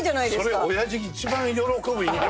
それおやじ一番喜ぶ言い方。